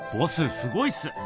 すごいっす！